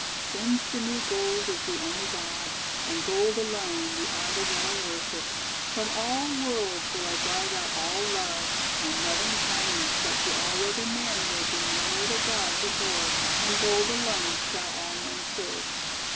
"Since to me Gold is the only God, and Gold alone The idol that I worship, from all worlds Will I drive out all love and loving kindness That to all other men there be no other God But Gold, and Gold alone shall all men serve."